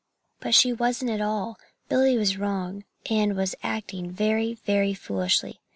She wasn't at all, and Billy was wrong, and was acting very, very foolishly.